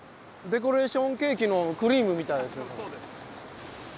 デコレーションケーキのクリームみたいですよね。